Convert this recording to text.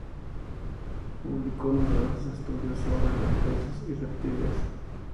Publicó numerosos estudios sobre los peces y reptiles.